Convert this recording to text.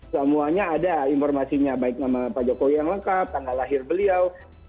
semuanya ada informasinya baik nama pak jokowi yang lengkap tanggal lahir beliau